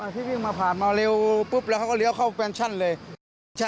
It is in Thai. ที่วิ่งมาผ่านมาเร็วปุ๊บแล้วเขาก็เลี้ยวเข้าแฟนชั่นเลย